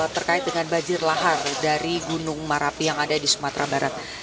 terkait dengan banjir lahar dari gunung marapi yang ada di sumatera barat